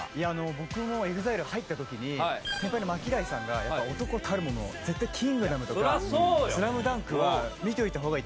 僕もＥＸＩＬＥ入った時に先輩のＭＡＫＩＤＡＩさんがやっぱ男たるもの絶対『キングダム』とか『ＳＬＡＭＤＵＮＫ』は見といた方がいいと。